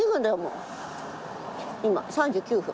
今３９分。